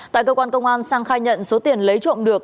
tại cơ quan công an sang khai nhận số tiền lấy trộm được